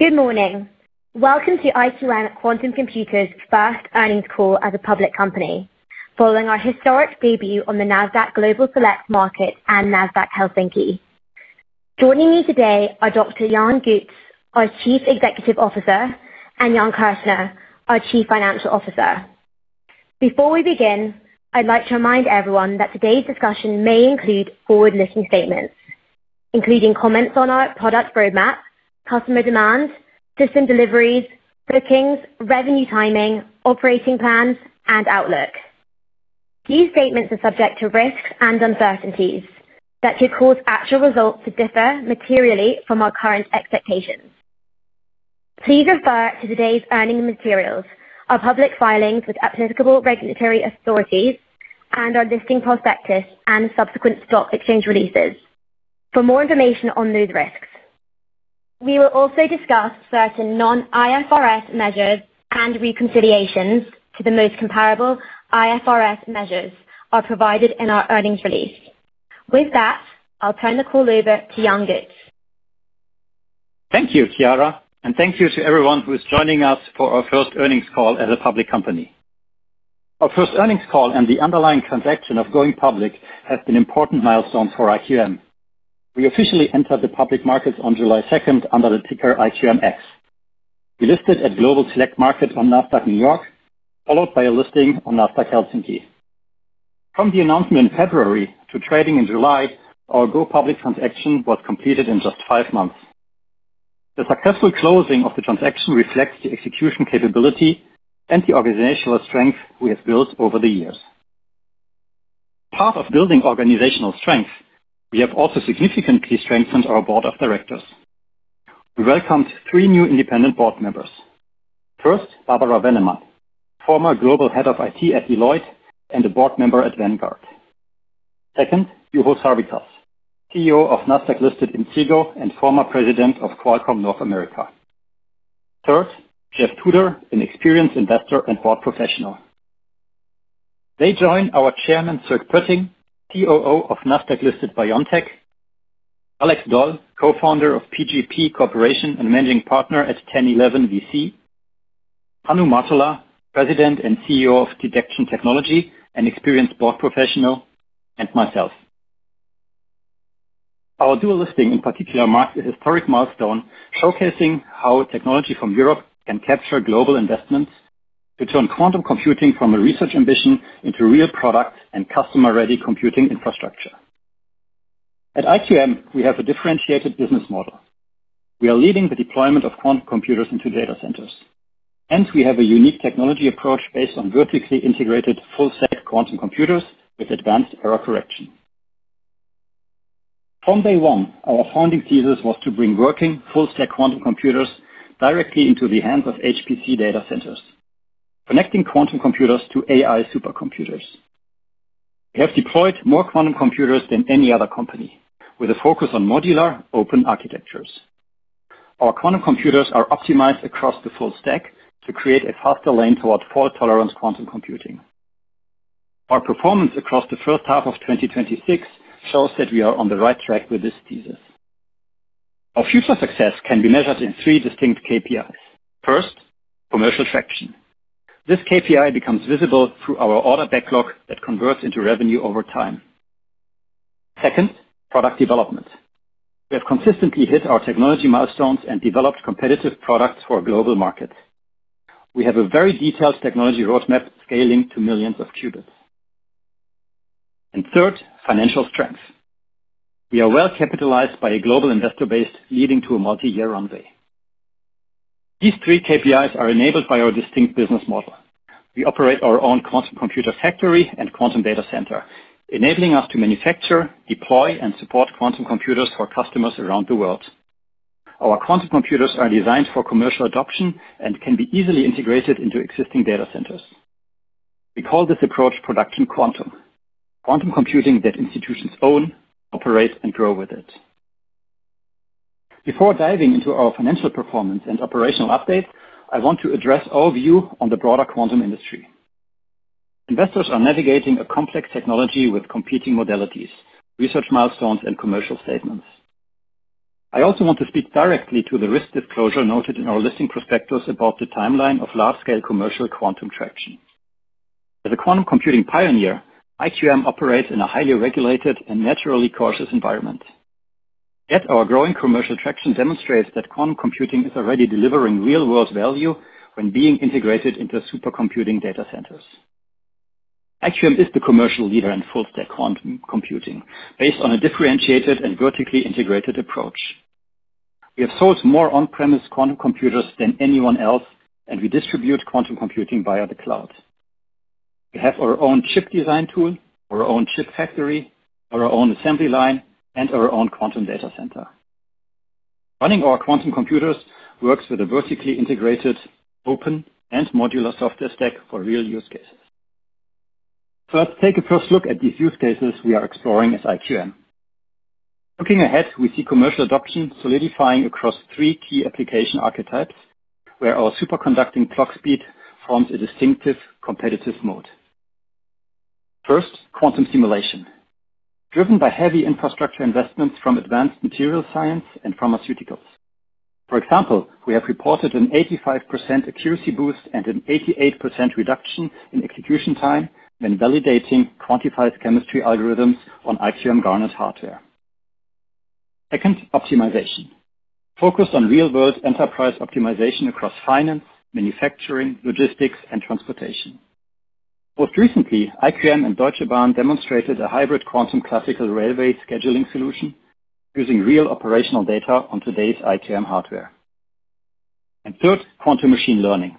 Good morning. Welcome to IQM Quantum Computers first earnings call as a public company, following our historic debut on the Nasdaq Global Select Market and Nasdaq Helsinki. Joining me today are Dr. Jan Goetz, our Chief Executive Officer, and Jan Kürschner, our Chief Financial Officer. Before we begin, I'd like to remind everyone that today's discussion may include forward-looking statements, including comments on our product roadmap, customer demand, system deliveries, bookings, revenue timing, operating plans, and outlook. These statements are subject to risks and uncertainties that could cause actual results to differ materially from our current expectations. Please refer to today's earning materials, our public filings with applicable regulatory authorities, and our listing prospectus and subsequent stock exchange releases for more information on those risks. We will also discuss certain non-IFRS measures and reconciliations to the most comparable IFRS measures are provided in our earnings release. With that, I'll turn the call over to Jan Goetz. Thank you, Chiara. Thank you to everyone who is joining us for our first earnings call as a public company. Our first earnings call and the underlying transaction of going public has been an important milestone for IQM. We officially entered the public markets on July 2nd under the ticker IQMX. We listed at Global Select Market on Nasdaq New York, followed by a listing on Nasdaq Helsinki. From the announcement in February to trading in July, our go public transaction was completed in just five months. The successful closing of the transaction reflects the execution capability and the organizational strength we have built over the years. Part of building organizational strength, we have also significantly strengthened our board of directors. We welcomed three new independent board members. First, Barbara Venneman, former Global Head of IT at Deloitte and a board member at Vanguard. Second, Juho Sarvikas, CEO of Nasdaq listed Inseego and former president of Qualcomm North America. Third, Jeff Tuder, an experienced investor and board professional. They join our chairman, Sierk Poetting, COO of Nasdaq listed BioNTech, Alex Doll, co-founder of PGP Corporation and managing partner at Ten Eleven VC, Hannu Martola, president and CEO of Dedicated Technologies, Inc. and experienced board professional, and myself. Our dual listing in particular marked a historic milestone showcasing how technology from Europe can capture global investments to turn quantum computing from a research ambition into real product and customer-ready computing infrastructure. At IQM, we have a differentiated business model. We are leading the deployment of quantum computers into data centers. We have a unique technology approach based on vertically integrated full-stack quantum computers with advanced error correction. From day one, our founding thesis was to bring working full-stack quantum computers directly into the hands of HPC data centers, connecting quantum computers to AI supercomputers. We have deployed more quantum computers than any other company, with a focus on modular open architectures. Our quantum computers are optimized across the full stack to create a faster lane towards fault-tolerant quantum computing. Our performance across the first half of 2026 shows that we are on the right track with this thesis. Our future success can be measured in three distinct KPIs. First, commercial traction. This KPI becomes visible through our order backlog that converts into revenue over time. Second, product development. We have consistently hit our technology milestones and developed competitive products for a global market. We have a very detailed technology roadmap scaling to millions of qubits. Third, financial strength. We are well-capitalized by a global investor base, leading to a multi-year runway. These three KPIs are enabled by our distinct business model. We operate our own quantum computer factory and quantum data center, enabling us to manufacture, deploy, and support quantum computers for customers around the world. Our quantum computers are designed for commercial adoption and can be easily integrated into existing data centers. We call this approach production quantum. Quantum computing that institutions own, operate, and grow with it. Before diving into our financial performance and operational update, I want to address our view on the broader quantum industry. Investors are navigating a complex technology with competing modalities, research milestones, and commercial statements. I also want to speak directly to the risk disclosure noted in our listing prospectus about the timeline of large-scale commercial quantum traction. As a quantum computing pioneer, IQM operates in a highly regulated and naturally cautious environment. Yet our growing commercial traction demonstrates that quantum computing is already delivering real-world value when being integrated into supercomputing data centers. IQM is the commercial leader in full-stack quantum computing based on a differentiated and vertically integrated approach. We have sold more on-premise quantum computers than anyone else, and we distribute quantum computing via the cloud. We have our own chip design tool, our own chip factory, our own assembly line, and our own quantum data center. Running our quantum computers works with a vertically integrated open and modular software stack for real use cases. First, take a first look at these use cases we are exploring as IQM. Looking ahead, we see commercial adoption solidifying across three key application archetypes where our superconducting clock speed forms a distinctive competitive moat. First, quantum simulation. Driven by heavy infrastructure investments from advanced material science and pharmaceuticals. For example, we have reported an 85% accuracy boost and an 88% reduction in execution time when validating quantum chemistry algorithms on IQM Garnet hardware. Second, optimization. Focused on real-world enterprise optimization across finance, manufacturing, logistics, and transportation. Most recently, IQM and Deutsche Bahn demonstrated a hybrid quantum classical railway scheduling solution using real operational data on today's IQM hardware. Third, quantum machine learning.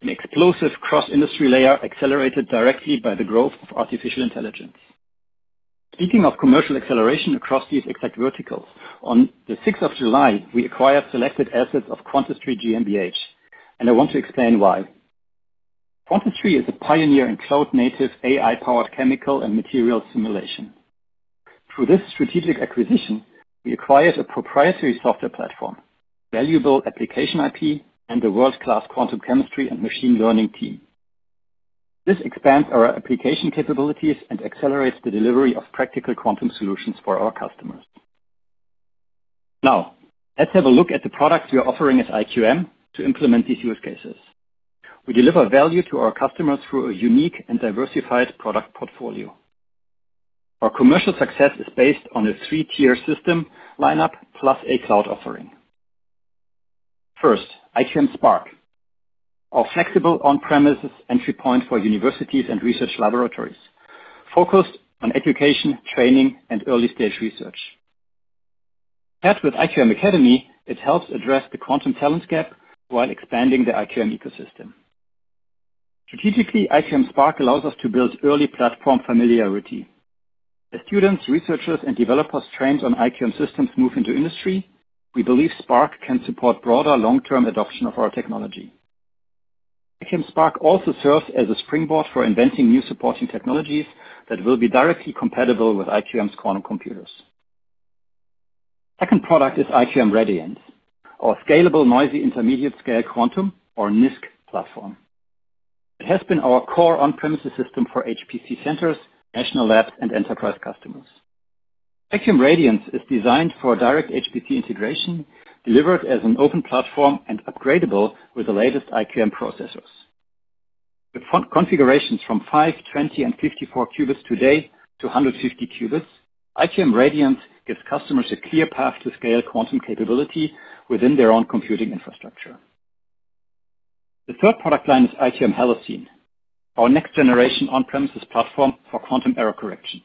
An explosive cross-industry layer accelerated directly by the growth of artificial intelligence. Speaking of commercial acceleration across these exact verticals, on the 6th of July, we acquired selected assets of Quantistry GmbH, and I want to explain why. Quantistry is a pioneer in cloud-native AI-powered chemical and material simulation. Through this strategic acquisition, we acquired a proprietary software platform, valuable application IP, and a world-class quantum chemistry and machine learning team. This expands our application capabilities and accelerates the delivery of practical quantum solutions for our customers. Now, let's have a look at the products we are offering as IQM to implement these use cases. We deliver value to our customers through a unique and diversified product portfolio. Our commercial success is based on a three-tier system lineup plus a cloud offering. First, IQM Spark, our flexible on-premises entry point for universities and research laboratories focused on education, training, and early-stage research. Paired with IQM Academy, it helps address the quantum talent gap while expanding the IQM ecosystem. Strategically, IQM Spark allows us to build early platform familiarity. As students, researchers, and developers trained on IQM systems move into industry, we believe Spark can support broader long-term adoption of our technology. IQM Spark also serves as a springboard for inventing new supporting technologies that will be directly compatible with IQM's quantum computers. Second product is IQM Radiance, our scalable noisy intermediate-scale quantum, or NISQ platform. It has been our core on-premises system for HPC centers, national labs, and enterprise customers. IQM Radiance is designed for direct HPC integration, delivered as an open platform and upgradable with the latest IQM processors. With configurations from five, 20, and 54 qubits today to 150 qubits, IQM Radiance gives customers a clear path to scale quantum capability within their own computing infrastructure. The third product line is IQM Halocene, our next-generation on-premises platform for quantum error correction,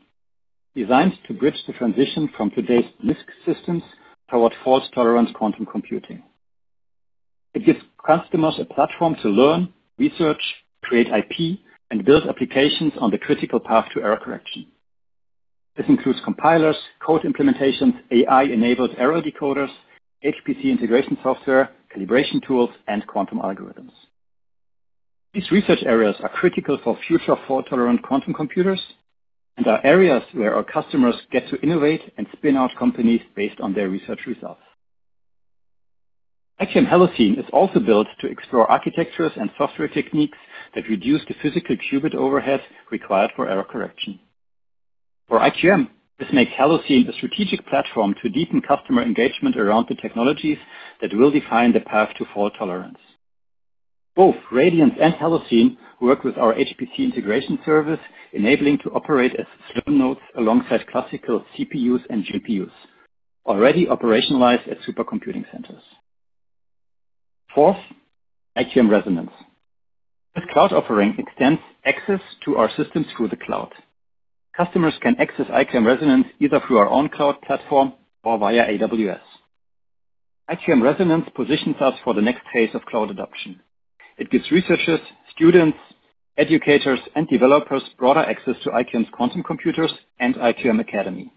designed to bridge the transition from today's NISQ systems toward fault-tolerant quantum computing. It gives customers a platform to learn, research, create IP, and build applications on the critical path to error correction. This includes compilers, code implementations, AI-enabled error decoders, HPC integration software, calibration tools, and quantum algorithms. These research areas are critical for future fault-tolerant quantum computers and are areas where our customers get to innovate and spin out companies based on their research results. IQM Halocene is also built to explore architectures and software techniques that reduce the physical qubit overhead required for error correction. For IQM, this makes Halocene a strategic platform to deepen customer engagement around the technologies that will define the path to fault tolerance. Both Radiance and Halocene work with our HPC integration service, enabling to operate as SLURM nodes alongside classical CPUs and GPUs already operationalized at supercomputing centers. Fourth, IQM Resonance. This cloud offering extends access to our systems through the cloud. Customers can access IQM Resonance either through our own cloud platform or via AWS. IQM Resonance positions us for the next phase of cloud adoption. It gives researchers, students, educators, and developers broader access to IQM's quantum computers and IQM Academy.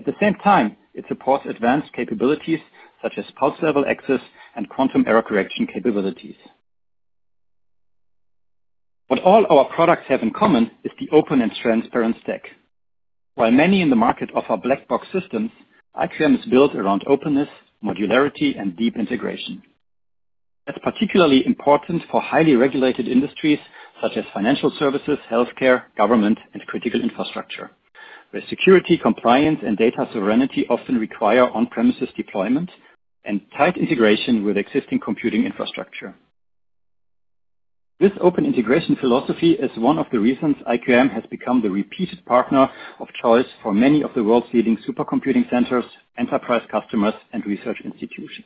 At the same time, it supports advanced capabilities such as pulse level access and quantum error correction capabilities. What all our products have in common is the open and transparent stack. While many in the market offer black box systems, IQM is built around openness, modularity, and deep integration. That's particularly important for highly regulated industries such as financial services, healthcare, government, and critical infrastructure, where security, compliance, and data sovereignty often require on-premises deployment and tight integration with existing computing infrastructure. This open integration philosophy is one of the reasons IQM has become the repeated partner of choice for many of the world's leading supercomputing centers, enterprise customers, and research institutions.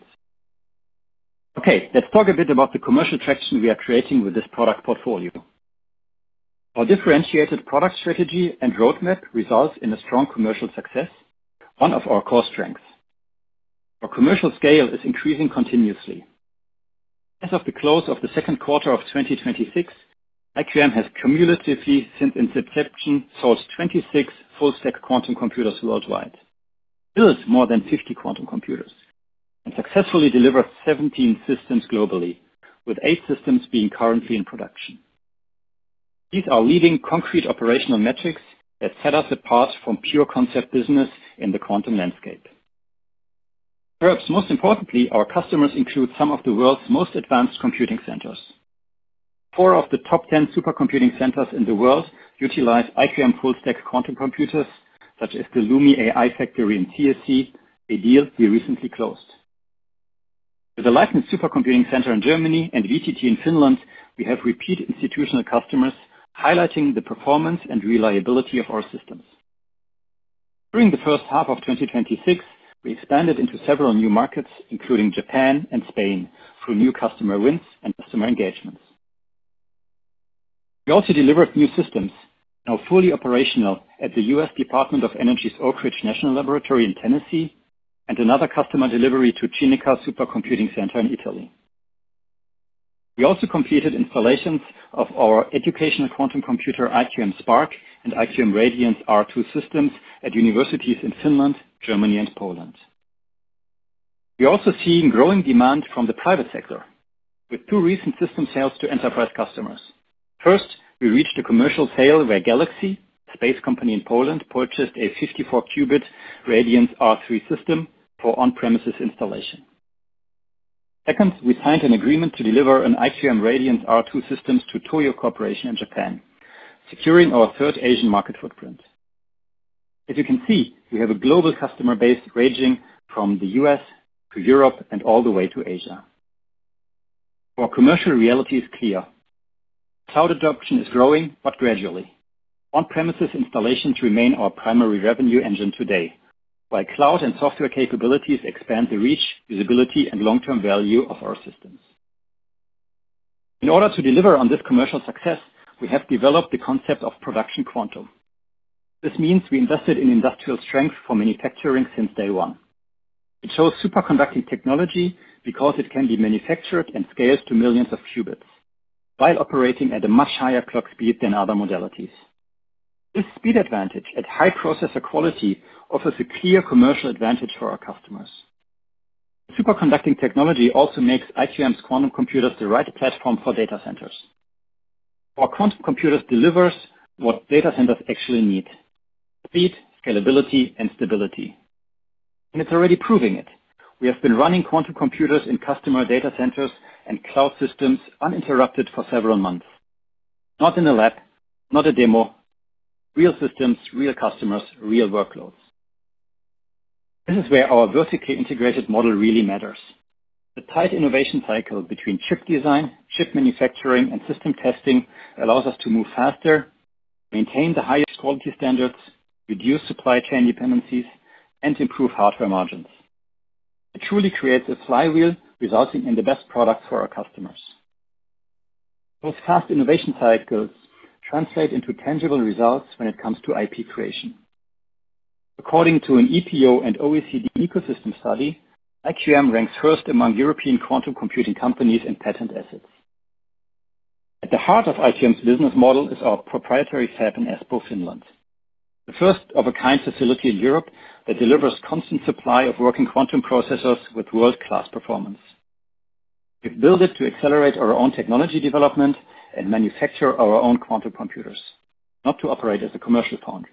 Okay, let's talk a bit about the commercial traction we are creating with this product portfolio. Our differentiated product strategy and roadmap results in a strong commercial success, one of our core strengths. Our commercial scale is increasing continuously. As of the close of the second quarter of 2026, IQM has cumulatively, since inception, sold 26 full-stack quantum computers worldwide, built more than 50 quantum computers, and successfully delivered 17 systems globally, with eight systems being currently in production. These are leading concrete operational metrics that set us apart from pure concept business in the quantum landscape. Perhaps most importantly, our customers include some of the world's most advanced computing centers. Four of the top 10 supercomputing centers in the world utilize IQM full-stack quantum computers, such as the LUMI AI Factory in CSC, a deal we recently closed. With the Leibniz Supercomputing Centre in Germany and VTT in Finland, we have repeat institutional customers highlighting the performance and reliability of our systems. During the first half of 2026, we expanded into several new markets, including Japan and Spain, through new customer wins and customer engagements. We also delivered new systems now fully operational at the U.S. Department of Energy's Oak Ridge National Laboratory in Tennessee and another customer delivery to CINECA Supercomputing Center in Italy. We also completed installations of our educational quantum computer, IQM Spark, and IQM Radiance R2 systems at universities in Finland, Germany, and Poland. We're also seeing growing demand from the private sector with two recent system sales to enterprise customers. First, we reached a commercial sale where Galaxy, a space company in Poland, purchased a 54-qubit Radiance R3 system for on-premises installation. Second, we signed an agreement to deliver an IQM Radiance R2 system to TOYO Corporation in Japan, securing our third Asian market footprint. As you can see, we have a global customer base ranging from the U.S. to Europe and all the way to Asia. Our commercial reality is clear. Cloud adoption is growing, but gradually. On-premises installations remain our primary revenue engine today, while cloud and software capabilities expand the reach, usability, and long-term value of our systems. In order to deliver on this commercial success, we have developed the concept of production quantum. This means we invested in industrial strength for manufacturing since day one. It shows superconducting technology because it can be manufactured and scaled to millions of qubits while operating at a much higher clock speed than other modalities. This speed advantage at high processor quality offers a clear commercial advantage for our customers. Superconducting technology also makes IQM's quantum computers the right platform for data centers. Our quantum computers deliver what data centers actually need: speed, scalability, and stability. It's already proving it. We have been running quantum computers in customer data centers and cloud systems uninterrupted for several months. Not in a lab, not a demo. Real systems, real customers, real workloads. This is where our vertically integrated model really matters. The tight innovation cycle between chip design, chip manufacturing, and system testing allows us to move faster, maintain the highest quality standards, reduce supply chain dependencies, and improve hardware margins. It truly creates a flywheel resulting in the best product for our customers. Those fast innovation cycles translate into tangible results when it comes to IP creation. According to an EPO and OECD ecosystem study, IQM ranks first among European quantum computing companies and patent assets. At the heart of IQM's business model is our proprietary fab in Espoo, Finland. The first-of-its-kind facility in Europe that delivers constant supply of working quantum processors with world-class performance. We've built it to accelerate our own technology development and manufacture our own quantum computers, not to operate as a commercial foundry.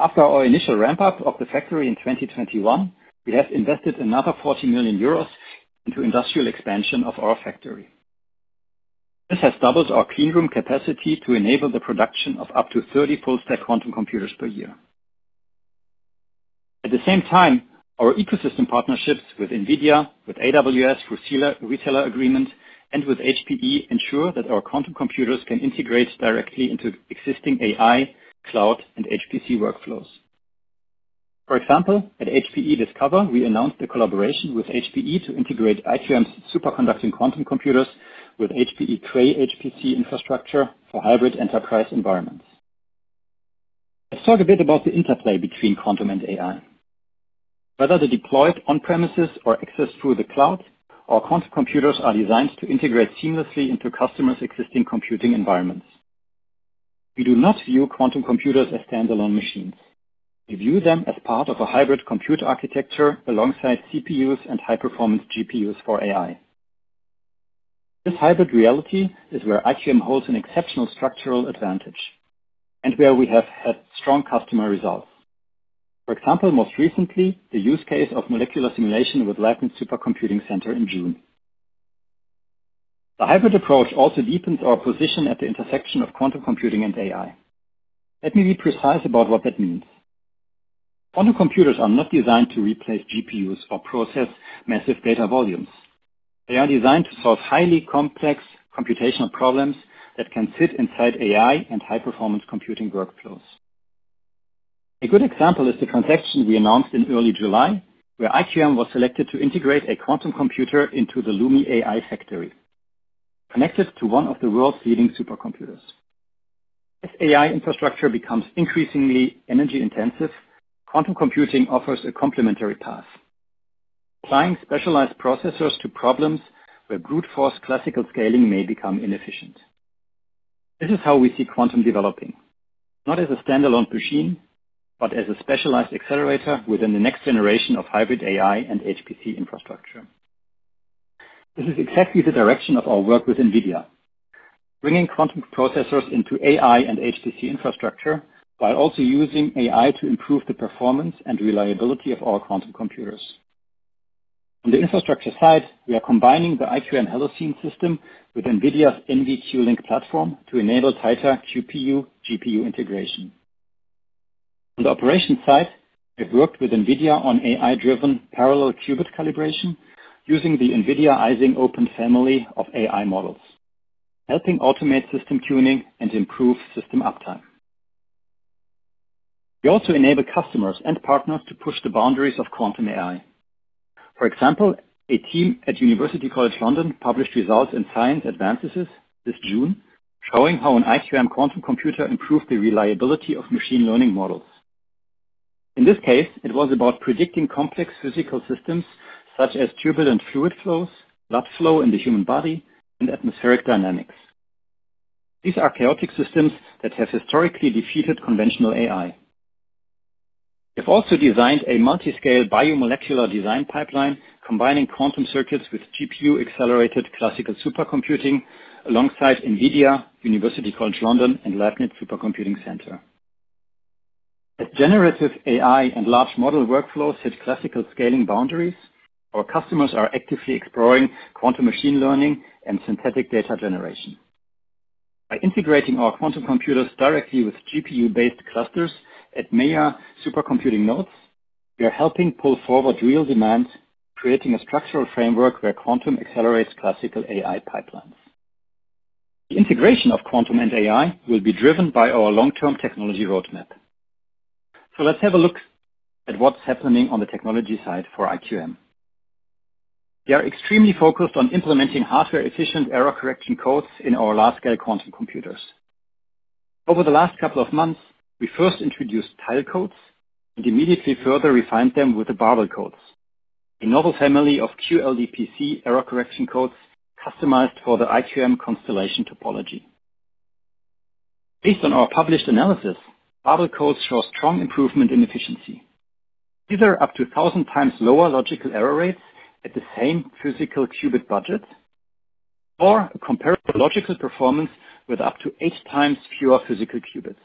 After our initial ramp-up of the factory in 2021, we have invested another 40 million euros into industrial expansion of our factory. This has doubled our clean room capacity to enable the production of up to 30 full-stack quantum computers per year. At the same time, our ecosystem partnerships with NVIDIA, with AWS through reseller agreement, and with HPE ensure that our quantum computers can integrate directly into existing AI, cloud, and HPC workflows. For example, at HPE Discover, we announced a collaboration with HPE to integrate IQM's superconducting quantum computers with HPE Cray HPC infrastructure for hybrid enterprise environments. Let's talk a bit about the interplay between quantum and AI. Whether they're deployed on premises or accessed through the cloud, our quantum computers are designed to integrate seamlessly into customers' existing computing environments. We do not view quantum computers as standalone machines. We view them as part of a hybrid compute architecture alongside CPUs and high-performance GPUs for AI. This hybrid reality is where IQM holds an exceptional structural advantage and where we have had strong customer results. For example, most recently, the use case of molecular simulation with Leibniz Supercomputing Centre in June. The hybrid approach also deepens our position at the intersection of quantum computing and AI. Let me be precise about what that means. Quantum computers are not designed to replace GPUs or process massive data volumes. They are designed to solve highly complex computational problems that can sit inside AI and high-performance computing workflows. A good example is the transaction we announced in early July where IQM was selected to integrate a quantum computer into the LUMI AI Factory, connected to one of the world's leading supercomputers. As AI infrastructure becomes increasingly energy-intensive, quantum computing offers a complementary path. Applying specialized processors to problems where brute force classical scaling may become inefficient. This is how we see quantum developing. Not as a standalone machine, but as a specialized accelerator within the next generation of hybrid AI and HPC infrastructure. This is exactly the direction of our work with NVIDIA, bringing quantum processors into AI and HPC infrastructure, while also using AI to improve the performance and reliability of our quantum computers. On the infrastructure side, we are combining the IQM Halocene system with NVIDIA's NVQLink platform to enable tighter QPU, GPU integration. On the operation side, we've worked with NVIDIA on AI-driven parallel qubit calibration using the NVIDIA Ising open family of AI models, helping automate system tuning and improve system uptime. We also enable customers and partners to push the boundaries of quantum AI. For example, a team at University College London published results in Science Advances this June showing how an IQM quantum computer improved the reliability of machine learning models. In this case, it was about predicting complex physical systems such as turbulent fluid flows, blood flow in the human body, and atmospheric dynamics. These are chaotic systems that have historically defeated conventional AI. We have also designed a multi-scale biomolecular design pipeline combining quantum circuits with GPU-accelerated classical supercomputing alongside NVIDIA, University College London and Leibniz Supercomputing Centre. As generative AI and large model workflows hit classical scaling boundaries, our customers are actively exploring quantum machine learning and synthetic data generation. By integrating our quantum computers directly with GPU-based clusters at Maya supercomputing nodes, we are helping pull forward real demands, creating a structural framework where quantum accelerates classical AI pipelines. The integration of quantum and AI will be driven by our long-term technology roadmap. Let's have a look at what's happening on the technology side for IQM. We are extremely focused on implementing hardware-efficient error correction codes in our large-scale quantum computers. Over the last couple of months, we first introduced tile codes and immediately further refined them with the barbell codes, a novel family of QLDPC error correction codes customized for the IQM Constellation topology. Based on our published analysis, barbell codes show a strong improvement in efficiency, either up to 1,000 times lower logical error rates at the same physical qubit budget, or a comparable logical performance with up to 8 times fewer physical qubits.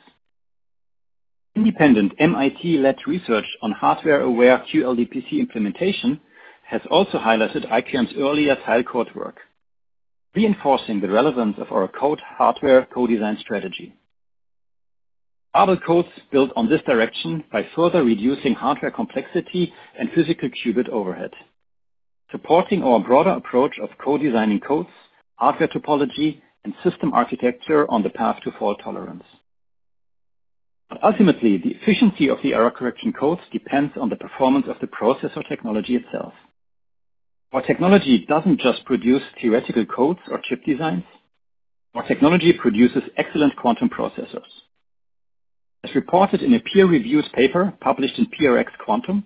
Independent MIT-led research on hardware-aware QLDPC implementation has also highlighted IQM's earlier tile code work, reinforcing the relevance of our code hardware co-design strategy. Barbell codes build on this direction by further reducing hardware complexity and physical qubit overhead, supporting our broader approach of co-designing codes, hardware topology, and system architecture on the path to fault tolerance. Ultimately, the efficiency of the error correction codes depends on the performance of the processor technology itself. Our technology doesn't just produce theoretical codes or chip designs. Our technology produces excellent quantum processors. As reported in a peer-reviewed paper published in PRX Quantum,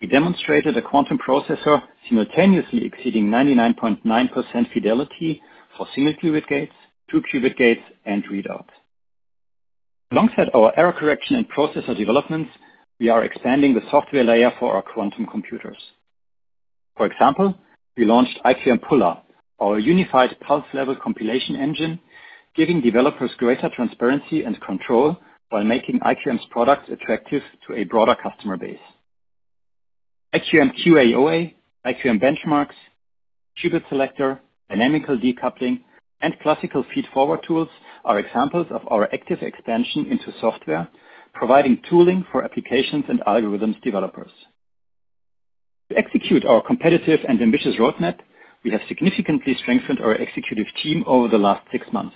we demonstrated a quantum processor simultaneously exceeding 99.9% fidelity for single qubit gates, two qubit gates and readouts. Alongside our error correction and processor developments, we are expanding the software layer for our quantum computers. For example, we launched IQM Pulla, our unified pulse level compilation engine, giving developers greater transparency and control while making IQM's products attractive to a broader customer base. IQM QAOA, IQM Benchmarks, Qubit Selector, dynamical decoupling, and classical feedforward tools are examples of our active expansion into software, providing tooling for applications and algorithms developers. To execute our competitive and ambitious roadmap, we have significantly strengthened our executive team over the last six months.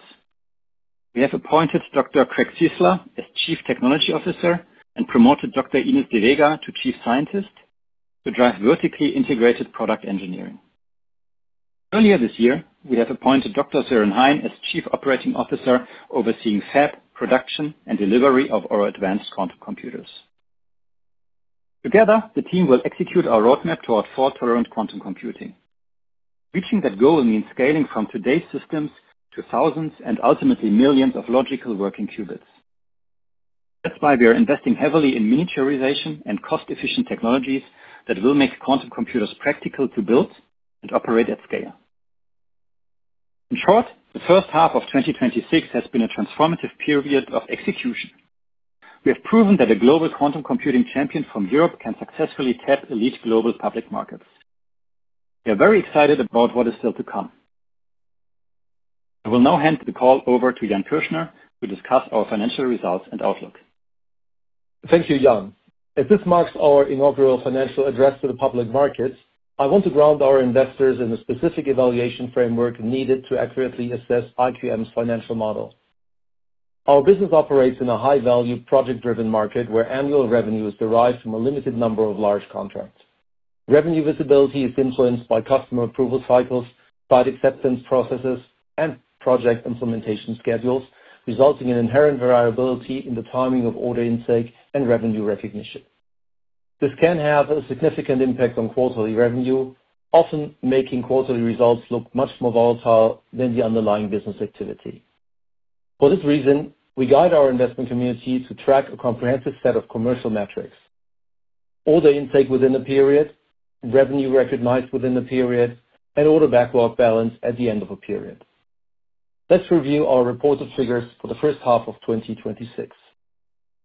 We have appointed Dr. Craig Ciesla as Chief Technology Officer and promoted Dr. Inés de Vega to Chief Scientist to drive vertically integrated product engineering. Earlier this year, we have appointed Dr. Søren Hein as Chief Operating Officer, overseeing fab, production, and delivery of our advanced quantum computers. Together, the team will execute our roadmap toward fault-tolerant quantum computing. Reaching that goal means scaling from today's systems to thousands, and ultimately millions of logical working qubits. That's why we are investing heavily in miniaturization and cost-efficient technologies that will make quantum computers practical to build and operate at scale. In short, the first half of 2026 has been a transformative period of execution. We have proven that a global quantum computing champion from Europe can successfully tap elite global public markets. We are very excited about what is still to come. I will now hand the call over to Jan Kürschner to discuss our financial results and outlook. Thank you, Jan. As this marks our inaugural financial address to the public markets, I want to ground our investors in the specific evaluation framework needed to accurately assess IQM's financial model. Our business operates in a high-value, project-driven market where annual revenue is derived from a limited number of large contracts. Revenue visibility is influenced by customer approval cycles, site acceptance processes, and project implementation schedules, resulting in inherent variability in the timing of order intake and revenue recognition. This can have a significant impact on quarterly revenue, often making quarterly results look much more volatile than the underlying business activity. For this reason, we guide our investment community to track a comprehensive set of commercial metrics: Order intake within the period, revenue recognized within the period, and order backlog balance at the end of a period. Let's review our reported figures for the first half of 2026.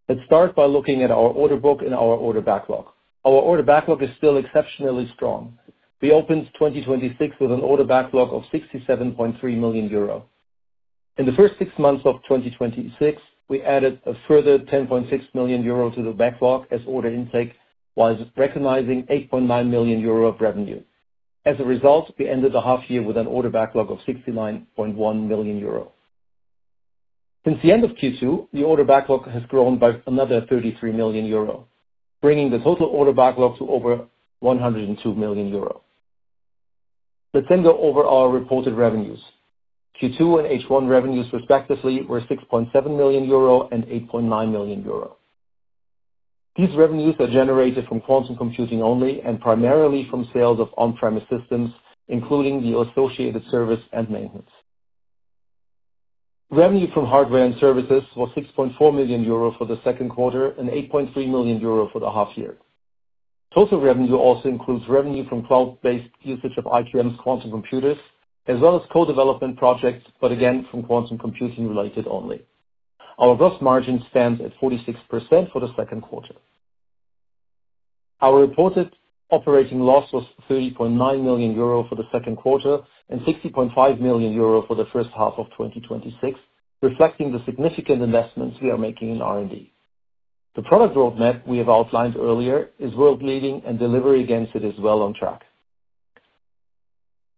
Let's start by looking at our order book and our order backlog. Our order backlog is still exceptionally strong. We opened 2026 with an order backlog of 67.3 million euro. In the first six months of 2026, we added a further 10.6 million euro to the backlog as order intake, whilst recognizing 8.9 million euro of revenue. As a result, we ended the half year with an order backlog of 69.1 million euro. Since the end of Q2, the order backlog has grown by another 33 million euro, bringing the total order backlog to over 102 million euros. Let's go over our reported revenues. Q2 and H1 revenues respectively were 6.7 million euro and 8.9 million euro. These revenues are generated from quantum computing only and primarily from sales of on-premise systems, including the associated service and maintenance. Revenue from hardware and services was 6.4 million euro for the second quarter and 8.3 million euro for the half year. Total revenue also includes revenue from cloud-based usage of IQM's quantum computers, as well as co-development projects, again, from quantum computing related only. Our gross margin stands at 46% for the second quarter. Our reported operating loss was 30.9 million euro for the second quarter and 60.5 million euro for the first half of 2026, reflecting the significant investments we are making in R&D. The product roadmap we have outlined earlier is world-leading and delivery against it is well on track.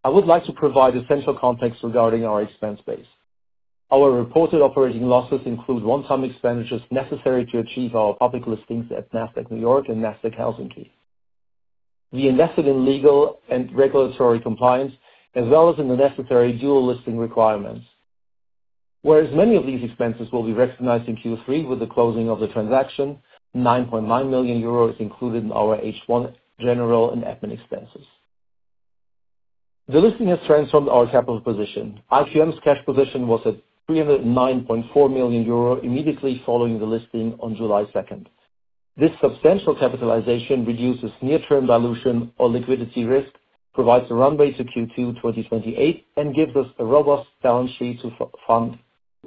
I would like to provide essential context regarding our expense base. Our reported operating losses include one-time expenditures necessary to achieve our public listings at Nasdaq and Nasdaq Helsinki. We invested in legal and regulatory compliance as well as in the necessary dual listing requirements. Whereas many of these expenses will be recognized in Q3 with the closing of the transaction, 9.9 million euros is included in our H1 general and admin expenses. The listing has transformed our capital position. IQM's cash position was at 309.4 million euro immediately following the listing on July 2nd. This substantial capitalization reduces near-term dilution or liquidity risk, provides a runway to Q2 2028, and gives us a robust balance sheet to fund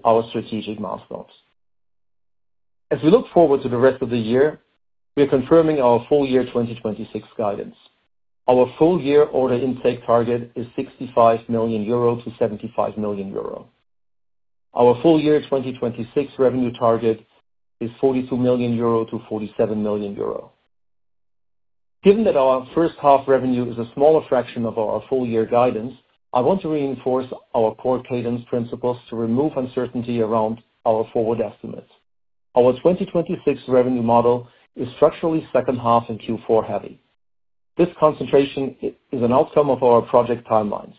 our strategic milestones. As we look forward to the rest of the year, we are confirming our full year 2026 guidance. Our full-year order intake target is 65 million-75 million euro. Our full year 2026 revenue target is 42 million-47 million euro. Given that our first half revenue is a smaller fraction of our full year guidance, I want to reinforce our core cadence principles to remove uncertainty around our forward estimates. Our 2026 revenue model is structurally second half and Q4 heavy. This concentration is an outcome of our project timelines.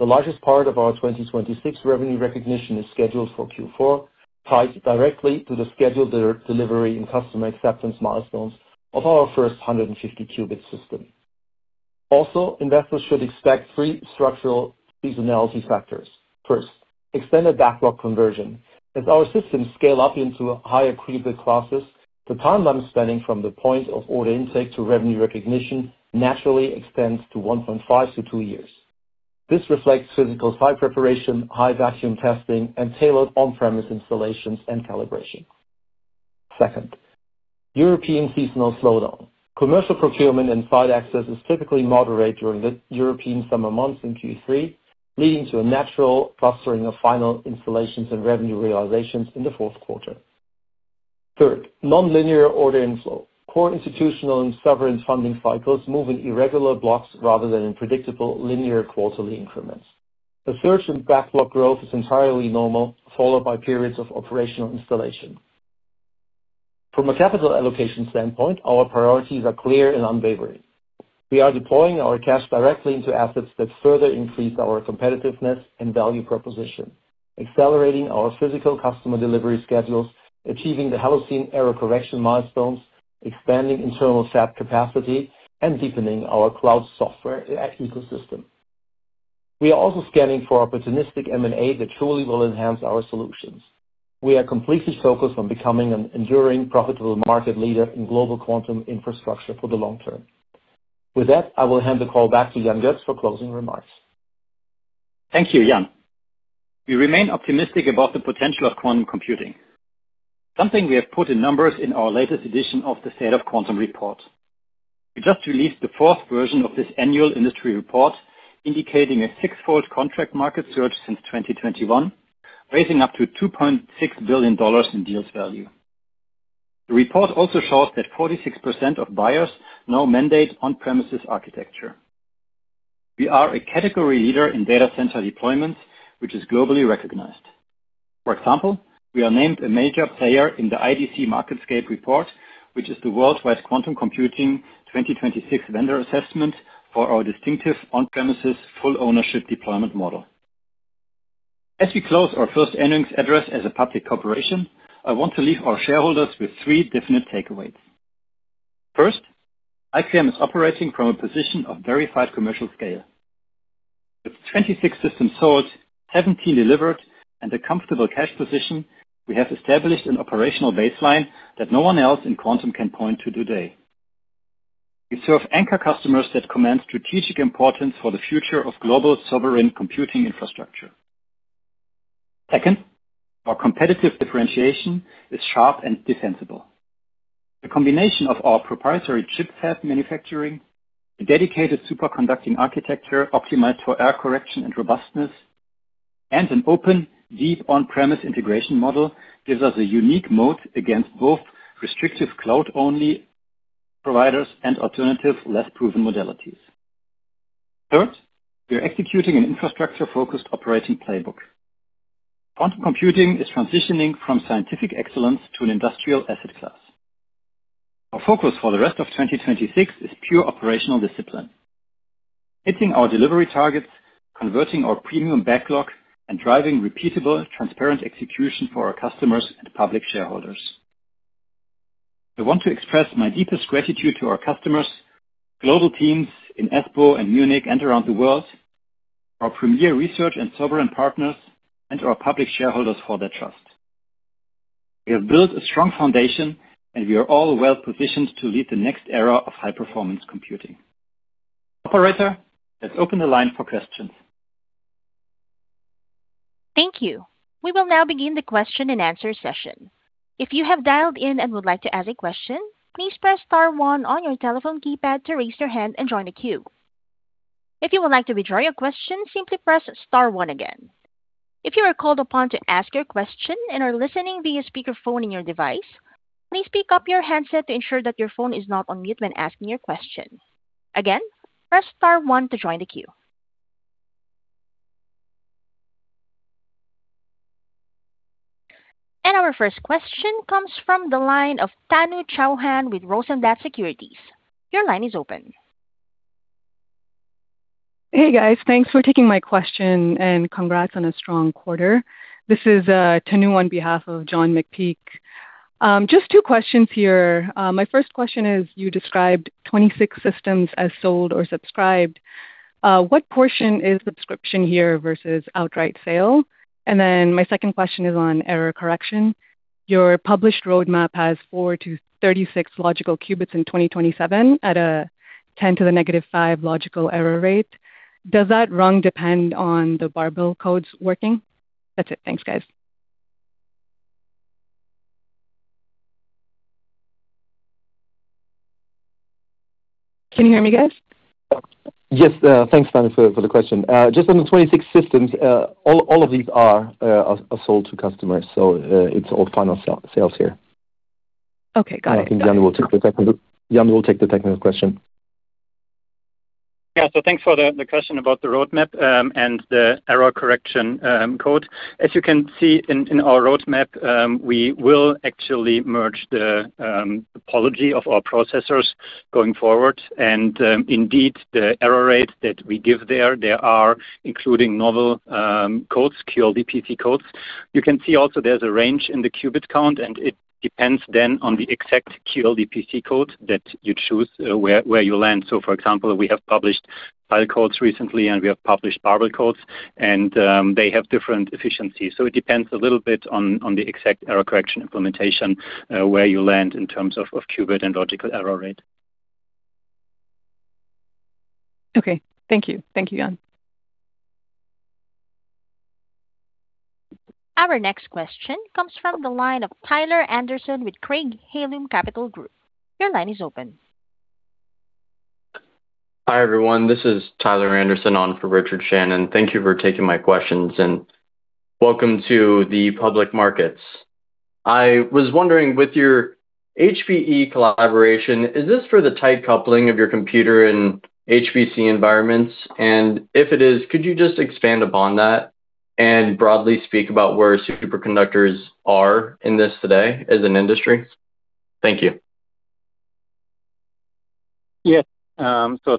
The largest part of our 2026 revenue recognition is scheduled for Q4, tied directly to the scheduled delivery and customer acceptance milestones of our first 150-qubit system. Investors should expect three structural seasonality factors. First, extended backlog conversion. As our systems scale up into higher qubit classes, the timeline spanning from the point of order intake to revenue recognition naturally extends to 1.5 to two years. This reflects physical site preparation, high-vacuum testing, and tailored on-premise installations and calibration. Second, European seasonal slowdown. Commercial procurement and site access is typically moderate during the European summer months in Q3, leading to a natural clustering of final installations and revenue realizations in the fourth quarter. Third, nonlinear order inflow. Core institutional and sovereign funding cycles move in irregular blocks rather than in predictable linear quarterly increments. The surge in backlog growth is entirely normal, followed by periods of operational installation. From a capital allocation standpoint, our priorities are clear and unwavering. We are deploying our cash directly into assets that further increase our competitiveness and value proposition, accelerating our physical customer delivery schedules, achieving the Helsinki error correction milestones, expanding internal fab capacity, and deepening our cloud software ecosystem. We are also scanning for opportunistic M&A that truly will enhance our solutions. We are completely focused on becoming an enduring, profitable market leader in global quantum infrastructure for the long term. With that, I will hand the call back to Jan Goetz for closing remarks. Thank you, Jan. We remain optimistic about the potential of quantum computing, something we have put in numbers in our latest edition of the State of Quantum report. We just released the fourth version of this annual industry report, indicating a six-fold contract market surge since 2021, raising up to $2.6 billion in deals value. The report shows that 46% of buyers now mandate on-premises architecture. We are a category leader in data center deployments, which is globally recognized. For example, we are named a major player in the IDC MarketScape report, which is the Worldwide Quantum Computing 2026 Vendor Assessment for our distinctive on-premises full ownership deployment model. As we close our first earnings address as a public corporation, I want to leave our shareholders with three definite takeaways. First, IQM is operating from a position of verified commercial scale. With 26 systems sold, 17 delivered, and a comfortable cash position, we have established an operational baseline that no one else in quantum can point to today. We serve anchor customers that command strategic importance for the future of global sovereign computing infrastructure. Second, our competitive differentiation is sharp and defensible. The combination of our proprietary chip fab manufacturing, a dedicated superconducting architecture optimized for error correction and robustness, and an open, deep on-premise integration model gives us a unique moat against both restrictive cloud-only providers and alternative, less proven modalities. Third, we are executing an infrastructure-focused operating playbook. Quantum computing is transitioning from scientific excellence to an industrial asset class. Our focus for the rest of 2026 is pure operational discipline, hitting our delivery targets, converting our premium backlog, and driving repeatable, transparent execution for our customers and public shareholders. I want to express my deepest gratitude to our customers, global teams in Espoo and Munich and around the world, our premier research and sovereign partners, and our public shareholders for their trust. We have built a strong foundation, and we are well-positioned to lead the next era of high-performance computing. Operator, let's open the line for questions. Thank you. We will now begin the question and answer session. If you have dialed in and would like to ask a question, please press star one on your telephone keypad to raise your hand and join the queue. If you would like to withdraw your question, simply press star one again. If you are called upon to ask your question and are listening via speakerphone in your device, please speak up your handset to ensure that your phone is not on mute when asking your question. Again, press star one to join the queue. Our first question comes from the line of Tanu Chauhan with Rosenblatt Securities. Your line is open. Hey, guys. Thanks for taking my question. Congrats on a strong quarter. This is Tanu on behalf of John McPeake. Just two questions here. My first question is, you described 26 systems as sold or subscribed. What portion is subscription here versus outright sale? My second question is on error correction. Your published roadmap has four to 36 logical qubits in 2027 at a 10⁻⁵ logical error rate. Does that rung depend on the barbell codes working? That's it. Thanks, guys. Can you hear me, guys? Yes. Thanks, Tanu, for the question. Just on the 26 systems, all of these are sold to customers, it's all final sales here. Okay, got it. I think Jan will take the technical question. Yeah. Thanks for the question about the roadmap and the error correction code. As you can see in our roadmap, we will actually merge the topology of our processors going forward. Indeed, the error rates that we give there, they are including novel codes, QLDPC codes. You can see also there's a range in the qubit count, and it depends then on the exact QLDPC code that you choose where you land. For example, we have published tile codes recently and we have published barbell codes, and they have different efficiencies. It depends a little bit on the exact error correction implementation where you land in terms of qubit and logical error rate. Okay. Thank you. Thank you, Jan. Our next question comes from the line of Tyler Anderson with Craig-Hallum Capital Group. Your line is open. Hi, everyone. This is Tyler Anderson on for Richard Shannon. Thank you for taking my questions, and welcome to the public markets. I was wondering, with your HPE collaboration, is this for the tight coupling of your computer and HPC environments? If it is, could you just expand upon that and broadly speak about where superconductors are in this today as an industry? Thank you. Yes.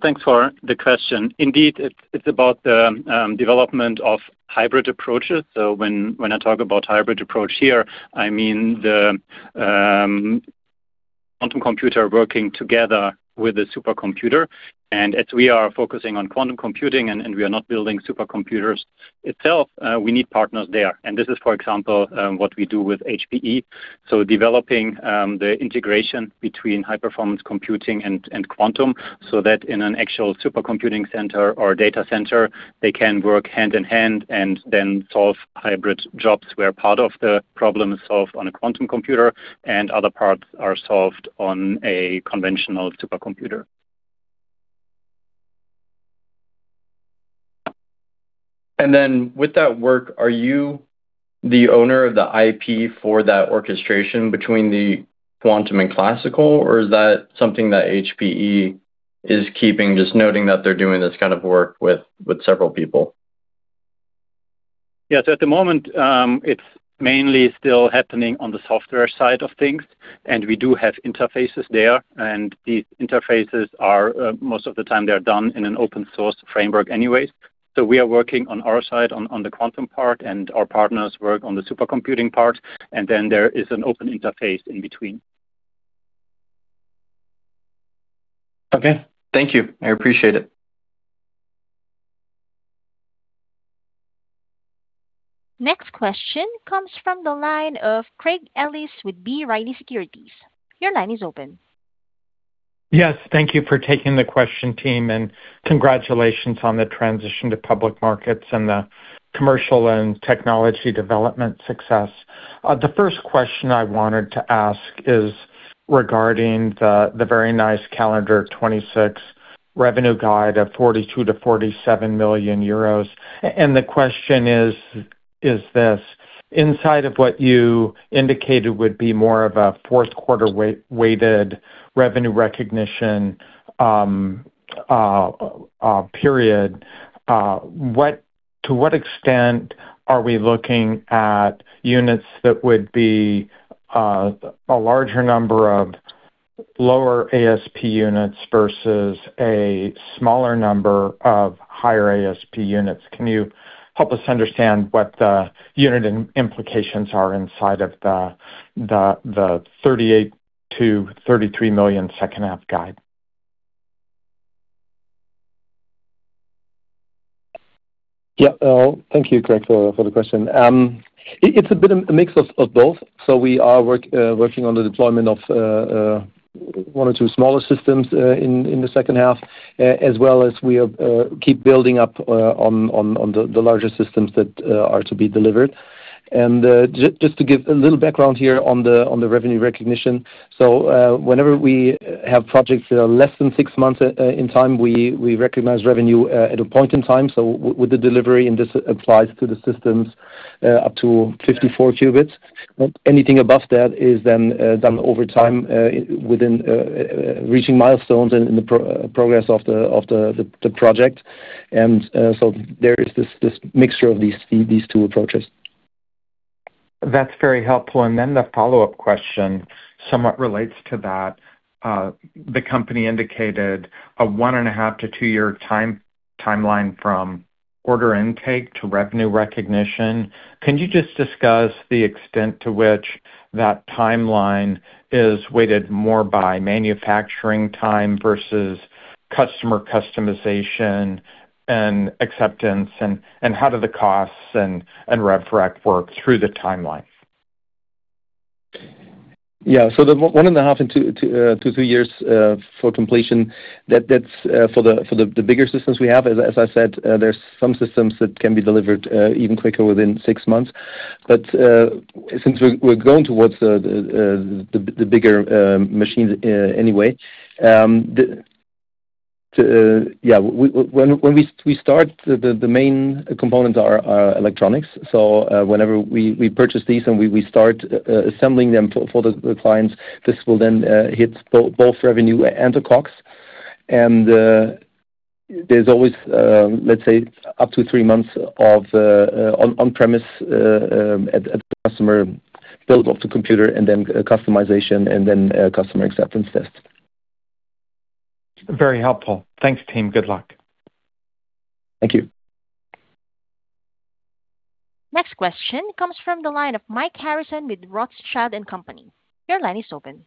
Thanks for the question. Indeed, it's about the development of hybrid approaches. When I talk about hybrid approach here, I mean the quantum computer working together with a supercomputer. As we are focusing on quantum computing and we are not building supercomputers itself, we need partners there. This is, for example, what we do with HPE. Developing the integration between high-performance computing and quantum so that in an actual supercomputing center or data center, they can work hand in hand and then solve hybrid jobs where part of the problem is solved on a quantum computer and other parts are solved on a conventional supercomputer. With that work, are you the owner of the IP for that orchestration between the quantum and classical, or is that something that HPE is keeping, just noting that they're doing this kind of work with several people? At the moment, it's mainly still happening on the software side of things, and we do have interfaces there, and these interfaces are, most of the time, they're done in an open-source framework anyway. We are working on our side on the quantum part, and our partners work on the supercomputing part, and then there is an open interface in between. Thank you. I appreciate it. Next question comes from the line of Craig Ellis with B. Riley Securities. Your line is open. Thank you for taking the question, team, and congratulations on the transition to public markets and the commercial and technology development success. The first question I wanted to ask is regarding the very nice calendar 2026 revenue guide of 42 million-47 million euros. The question is this, inside of what you indicated would be more of a fourth quarter weighted revenue recognition period, to what extent are we looking at units that would be a larger number of lower ASP units versus a smaller number of higher ASP units? Can you help us understand what the unit implications are inside of the 38 million-33 million second half guide? Thank you, Craig, for the question. It's a bit of a mix of both. We are working on the deployment of one or two smaller systems in the second half, as well as we keep building up on the larger systems that are to be delivered. Just to give a little background here on the revenue recognition. Whenever we have projects that are less than six months in time, we recognize revenue at a point in time. With the delivery, this applies to the systems up to 54 qubits. Anything above that is then done over time within reaching milestones in the progress of the project. There is this mixture of these two approaches. That's very helpful. The follow-up question somewhat relates to that. The company indicated a one and a half to two year timeline from order intake to revenue recognition. Can you just discuss the extent to which that timeline is weighted more by manufacturing time versus customer customization and acceptance, and how do the costs and RevRec work through the timeline? The one and a half to two years for completion, that's for the bigger systems we have. As I said, there's some systems that can be delivered even quicker, within six months. Since we're going towards the bigger machines anyway. When we start, the main components are our electronics. Whenever we purchase these and we start assembling them for the clients, this will then hit both revenue and the COGS. There's always, let's say, up to three months of on-premise at the customer build of the computer, and then customization, and then customer acceptance test. Very helpful. Thanks, team. Good luck. Thank you. Next question comes from the line of Mike Harrison with Rothschild & Co. Your line is open.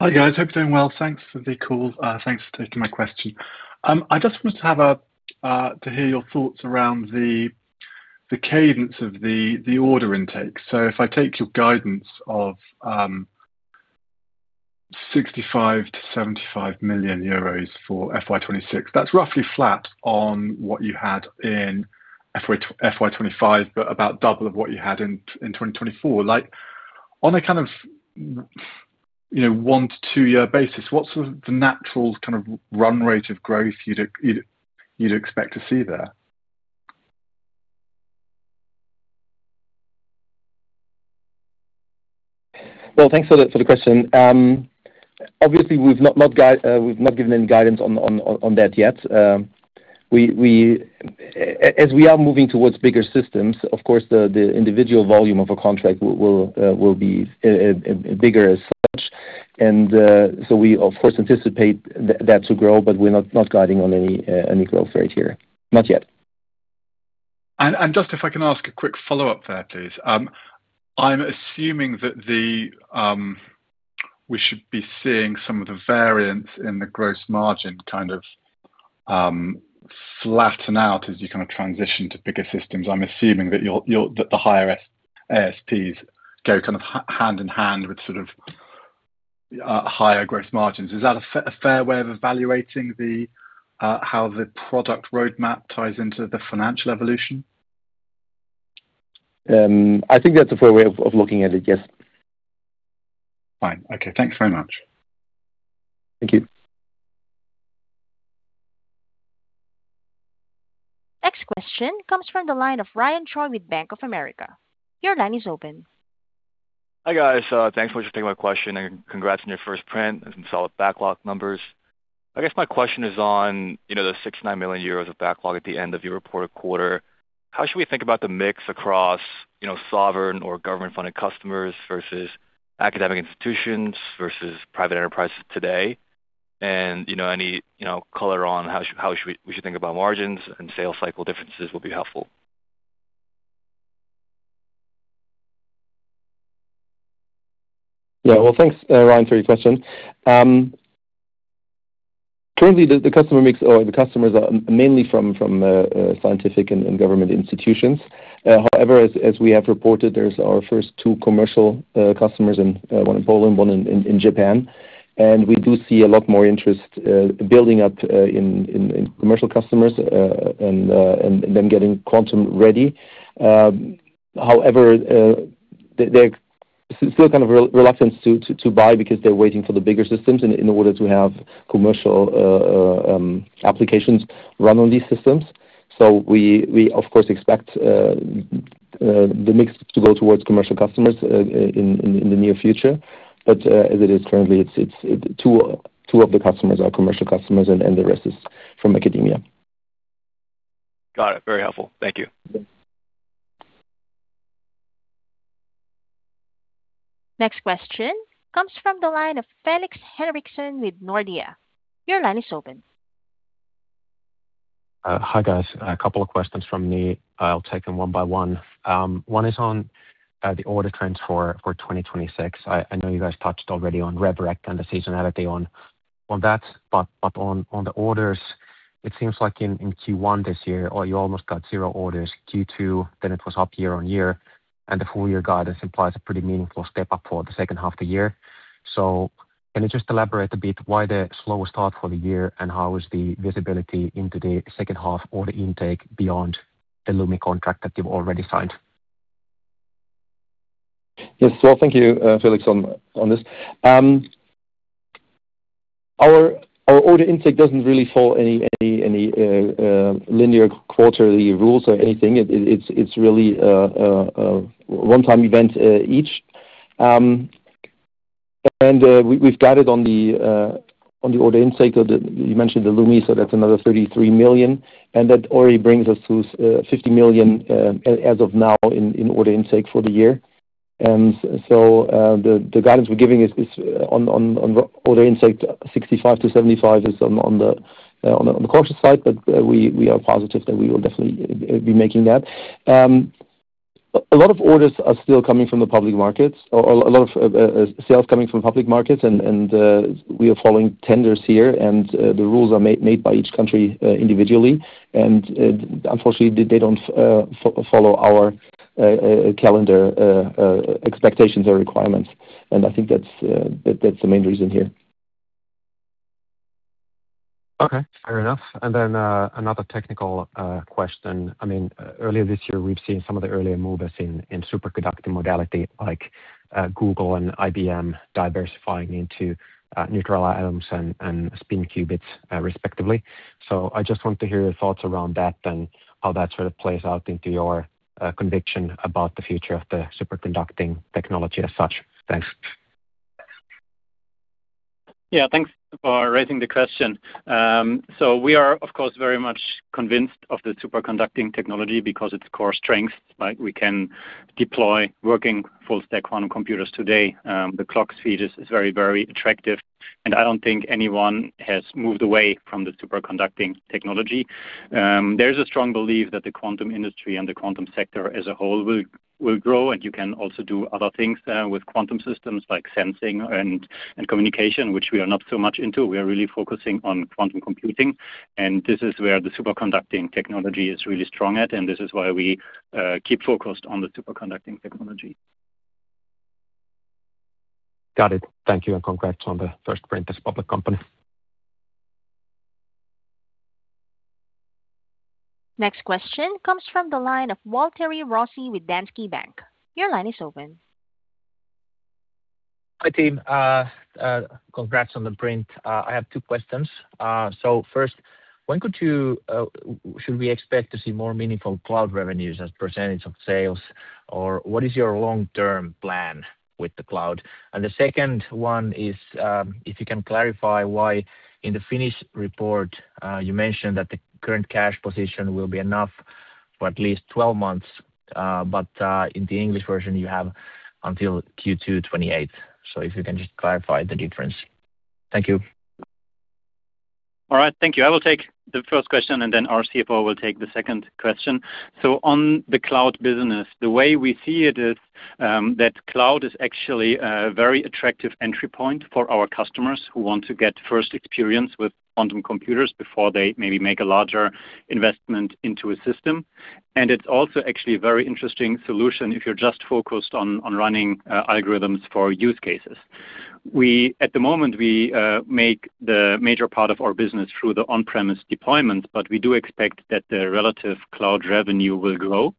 Hi, guys. Hope you're doing well. Thanks for the call. Thanks for taking my question. If I take your guidance of 65 million-75 million euros for FY 2026, that's roughly flat on what you had in FY 2025, but about double of what you had in 2024. On a kind of one to two-year basis, what's the natural run rate of growth you'd expect to see there? Well, thanks for the question. Obviously, we've not given any guidance on that yet. As we are moving towards bigger systems, of course, the individual volume of a contract will be bigger as such. We, of course, anticipate that to grow, but we're not guiding on any growth rate here. Not yet. Just if I can ask a quick follow-up there, please. I'm assuming that we should be seeing some of the variance in the gross margin kind of flatten out as you transition to bigger systems. I'm assuming that the higher ASPs go hand in hand with higher gross margins. Is that a fair way of evaluating how the product roadmap ties into the financial evolution? I think that's a fair way of looking at it, yes. Fine. Okay. Thanks very much. Thank you. Next question comes from the line of Ryan Choi with Bank of America. Your line is open. Hi, guys. Thanks for taking my question, and congrats on your first print and some solid backlog numbers. I guess my question is on the 69 million euros of backlog at the end of your reported quarter. How should we think about the mix across sovereign or government-funded customers versus academic institutions versus private enterprises today? Any color on how we should think about margins and sales cycle differences would be helpful. Yeah. Well, thanks, Ryan, for your question. Currently, the customers are mainly from scientific and government institutions. However, as we have reported, there's our first two commercial customers, one in Poland, one in Japan. We do see a lot more interest building up in commercial customers and them getting quantum ready. However, there's still kind of reluctance to buy because they're waiting for the bigger systems in order to have commercial applications run on these systems. We of course expect the mix to go towards commercial customers in the near future. As it is currently, two of the customers are commercial customers and the rest is from academia. Got it. Very helpful. Thank you. Next question comes from the line of Felix Henriksson with Nordea. Your line is open. Hi, guys. A couple of questions from me. I'll take them one by one. One is on the order trends for 2026. I know you guys touched already on RevRec and the seasonality on that. On the orders, it seems like in Q1 this year, or you almost got zero orders Q2, then it was up year-on-year, and the full year guidance implies a pretty meaningful step up for the second half of the year. Can you just elaborate a bit why the slower start for the year and how is the visibility into the second half order intake beyond the LUMI contract that you've already signed? Yes. Well, thank you, Felix, on this. Our order intake doesn't really follow any linear quarterly rules or anything. It's really a one-time event each. We've guided on the order intake of the, you mentioned the LUMI, so that's another 33 million, and that already brings us to 50 million as of now in order intake for the year. The guidance we're giving is on order intake 65 million-75 million is on the cautious side, but we are positive that we will definitely be making that. A lot of orders are still coming from the public markets, or a lot of sales coming from public markets, we are following tenders here, and the rules are made by each country individually. Unfortunately, they don't follow our calendar expectations or requirements. I think that's the main reason here. Okay. Fair enough. Another technical question. Earlier this year, we've seen some of the earlier movers in superconducting modality, like Google and IBM diversifying into neutral atoms and spin qubits, respectively. I just want to hear your thoughts around that and how that sort of plays out into your conviction about the future of the superconducting technology as such. Thanks. Yeah. Thanks for raising the question. We are of course, very much convinced of the superconducting technology because its core strengths, like we can deploy working full stack quantum computers today. The clock speed is very attractive, and I don't think anyone has moved away from the superconducting technology. There is a strong belief that the quantum industry and the quantum sector as a whole will grow. You can also do other things with quantum systems like sensing and communication, which we are not so much into. We are really focusing on quantum computing, and this is where the superconducting technology is really strong at, and this is why we keep focused on the superconducting technology. Got it. Thank you, and congrats on the first print as public company. Next question comes from the line of Waltteri Rossi with Danske Bank. Your line is open. Hi, team. Congrats on the print. I have two questions. First, when should we expect to see more meaningful cloud revenues as percentage of sales? What is your long-term plan with the cloud? The second one is, if you can clarify why in the Finnish report, you mentioned that the current cash position will be enough for at least 12 months. But in the English version, you have until Q2 2028. If you can just clarify the difference. Thank you. All right. Thank you. I will take the first question, our CFO will take the second question. On the cloud business, the way we see it is that cloud is actually a very attractive entry point for our customers who want to get first experience with quantum computers before they maybe make a larger investment into a system. It is also actually a very interesting solution if you are just focused on running algorithms for use cases. At the moment, we make the major part of our business through the on-premise deployment, but we do expect that the relative cloud revenue will grow,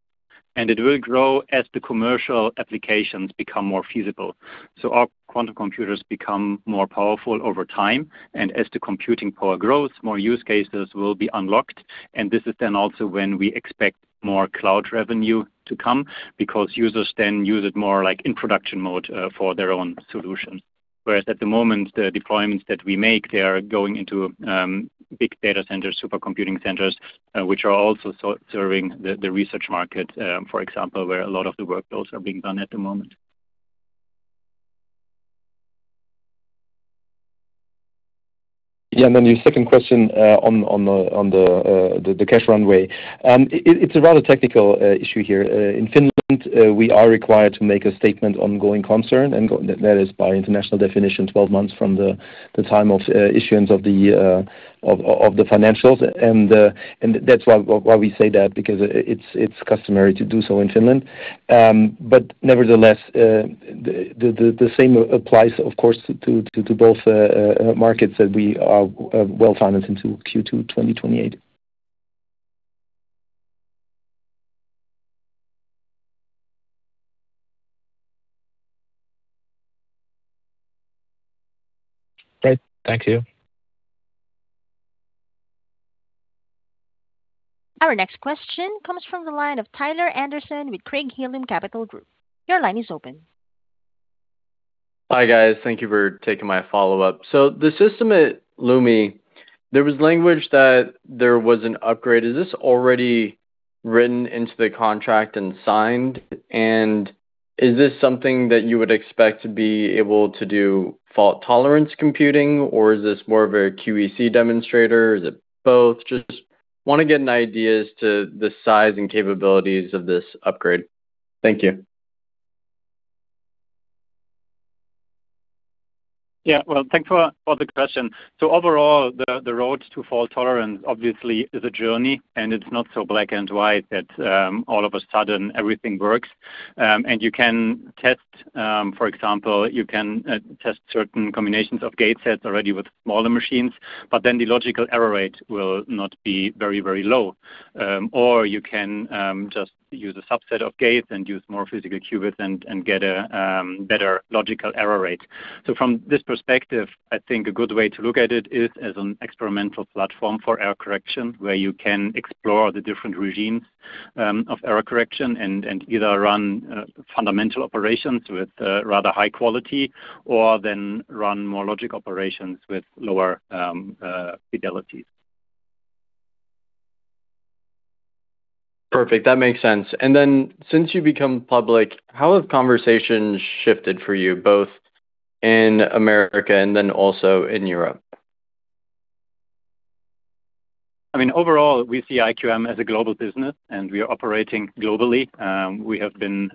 it will grow as the commercial applications become more feasible. Our quantum computers become more powerful over time. As the computing power grows, more use cases will be unlocked. This is then also when we expect more cloud revenue to come because users then use it more like in production mode for their own solutions. Whereas at the moment, the deployments that we make, they are going into big data centers, supercomputing centers, which are also serving the research market, for example, where a lot of the workloads are being done at the moment. Your second question on the cash runway. It is a rather technical issue here. In Finland, we are required to make a statement ongoing concern, that is by international definition, 12 months from the time of issuance of the financials. That is why we say that, because it is customary to do so in Finland. Nevertheless, the same applies, of course, to both markets that we are well-financed into Q2 2028. Great. Thank you. Our next question comes from the line of Tyler Anderson with Craig-Hallum Capital Group. Your line is open. Hi, guys. Thank you for taking my follow-up. The system at LUMI, there was language that there was an upgrade. Is this already written into the contract and signed? Is this something that you would expect to be able to do fault-tolerance computing, or is this more of a QEC demonstrator, or is it both? Just want to get an idea as to the size and capabilities of this upgrade. Thank you. Well, thanks for the question. Overall, the road to fault tolerance obviously is a journey, and it's not so black and white that all of a sudden everything works. You can test, for example, you can test certain combinations of gate sets already with smaller machines, the logical error rate will not be very low. You can just use a subset of gates and use more physical qubits and get a better logical error rate. From this perspective, I think a good way to look at it is as an experimental platform for error correction, where you can explore the different regimes of error correction and either run fundamental operations with rather high quality or run more logic operations with lower fidelities. Perfect. That makes sense. Since you've become public, how have conversations shifted for you, both in America and also in Europe? I mean, overall, we see IQM as a global business. We are operating globally. We have been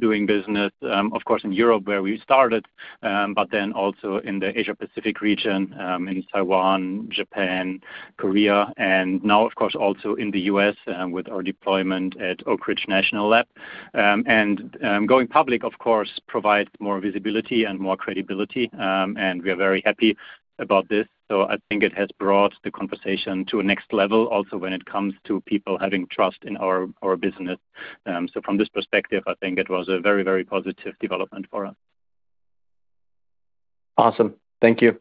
doing business, of course, in Europe, where we started, also in the Asia-Pacific region, in Taiwan, Japan, Korea, and now of course also in the U.S., with our deployment at Oak Ridge National Lab. Going public of course provides more visibility and more credibility. We are very happy about this. I think it has brought the conversation to a next level also when it comes to people having trust in our business. From this perspective, I think it was a very positive development for us. Awesome. Thank you.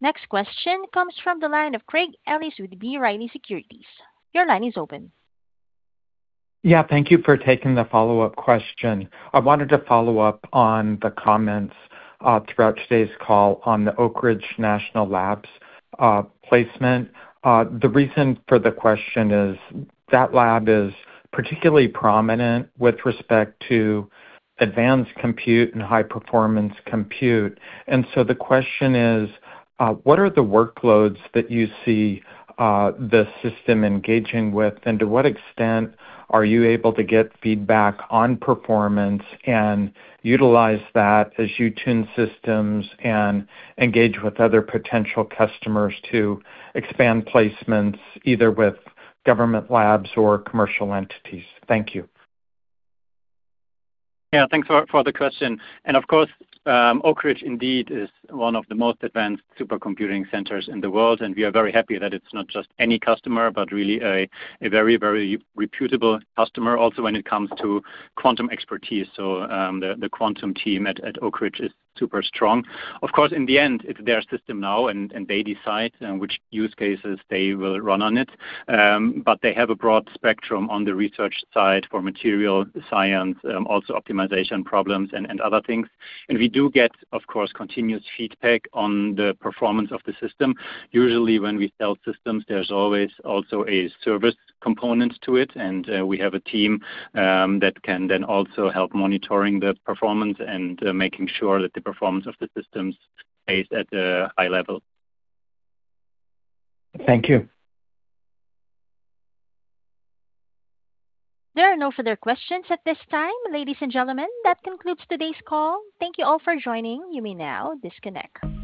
Next question comes from the line of Craig Ellis with B. Riley Securities. Your line is open. Yeah. Thank you for taking the follow-up question. I wanted to follow up on the comments throughout today's call on the Oak Ridge National Labs placement. The reason for the question is that lab is particularly prominent with respect to advanced compute and high-performance compute. The question is, what are the workloads that you see the system engaging with? To what extent are you able to get feedback on performance and utilize that as you tune systems and engage with other potential customers to expand placements, either with government labs or commercial entities? Thank you. Yeah, thanks for the question. Of course, Oak Ridge indeed is one of the most advanced supercomputing centers in the world, and we are very happy that it's not just any customer, but really a very reputable customer also when it comes to quantum expertise. The quantum team at Oak Ridge is super strong. Of course, in the end, it's their system now and they decide which use cases they will run on it. They have a broad spectrum on the research side for material science, also optimization problems and other things. We do get, of course, continuous feedback on the performance of the system. Usually, when we sell systems, there's always also a service component to it, and we have a team that can then also help monitoring the performance and making sure that the performance of the systems stays at a high level. Thank you. There are no further questions at this time. Ladies and gentlemen, that concludes today's call. Thank you all for joining. You may now disconnect.